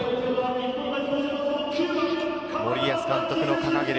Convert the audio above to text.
森保監督の掲げる